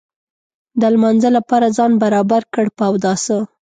د لمانځه لپاره ځان برابر کړ په اوداسه.